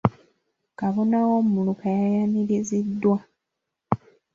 Kabona w'omuluka ya yaniriziddwa.